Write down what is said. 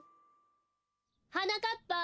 はなかっぱ！